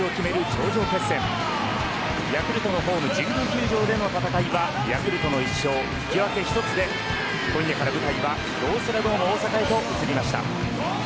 頂上決戦ヤクルトのホーム神宮球場での戦いはヤクルトの１勝引き分け挟んで今夜から舞台は京セラドーム大阪へと移りました。